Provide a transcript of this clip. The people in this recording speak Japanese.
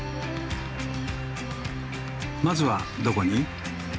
まずはどこに？